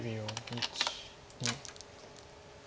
１２。